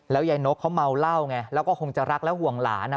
ยายนกเขาเมาเหล้าไงแล้วก็คงจะรักและห่วงหลานอ่ะ